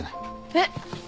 えっ？